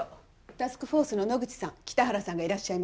タスクフォースの野口さん北原さんがいらっしゃいました。